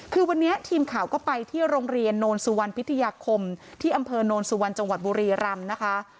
คือวันนี้ทีมข่าวก็ไปที่โรงเรียนโนนสุวรรณพิทยาคมที่อำเภอโนนสุวรรณจังหวัดบุรีรำนะคะ